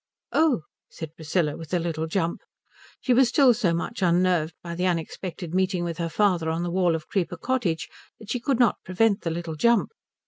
"Oh?" said Priscilla with a little jump. She was still so much unnerved by the unexpected meeting with her father on the wall of Creeper Cottage that she could not prevent the little jump.